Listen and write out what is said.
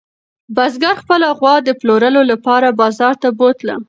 بزګر خپله غوا د پلورلو لپاره بازار ته بوتله.